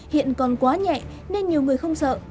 hiện còn quá nhẹ nên nhiều người không sợ